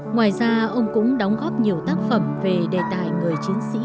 ngoài ra ông cũng đóng góp nhiều tác phẩm về đề tài